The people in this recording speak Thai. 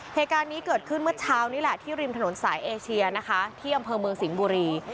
เหตุการณ์นี้เกิดขึ้นเมื่อเช้านี้แหละที่ริมถนนสายเอเชียนะคะที่อำเภอเมืองสิงห์บุรี